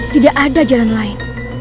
tidak ada jalan lain